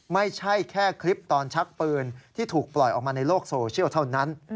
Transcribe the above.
ไม่ใช่แค่คลิปตอนชักปืนที่ถูกปล่อยออกมาในโลกโซเชียลเท่านั้น